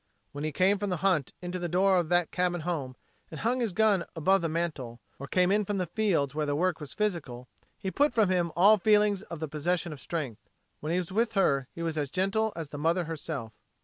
When he came from the hunt into the door of that cabin home and hung his gun above the mantel, or came in from the fields where the work was physical, he put from him all feeling of the possession of strength. When he was with her, he was as gentle as the mother herself.